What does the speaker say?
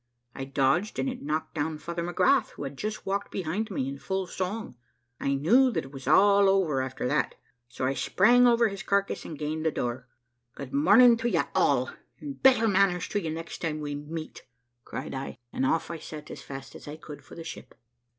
I dodged, and it knocked down Father McGrath, who had just walked behind me in full song. I knew that it was all over after that, so I sprang over his carcase and gained the door. `Good morning to ye all, and better manners to you next time we meet,' cried I, and off I set as fast as I could for the ship.